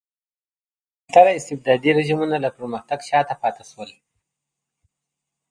زیاتره استبدادي رژیمونه له پرمختګ شاته پاتې شول.